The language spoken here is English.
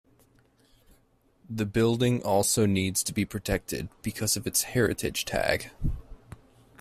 The building also needs to be protected because of its heritage tag.